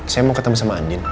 saya mau ketemu sama andin